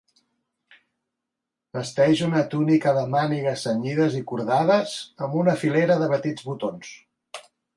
Vesteix una túnica de mànigues cenyides i cordades amb una filera de petits botons.